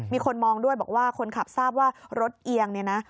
มีคนมองด้วยบอกว่าคนขับทราบว่ารถเอียงเนี่ยนะ